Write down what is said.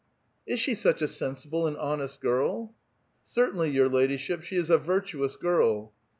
'"'* Is she such a sensible and honest girl? *'" Certainly, your ladyship, she is a virtuous girl."